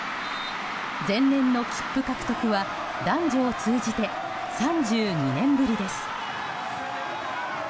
前年の切符獲得は男女を通じて３２年ぶりです。